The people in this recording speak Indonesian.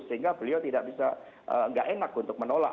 sehingga beliau tidak bisa tidak enak untuk menolak